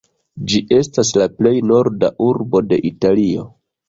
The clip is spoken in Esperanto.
Ĝi estas la plej norda urbo de Italio.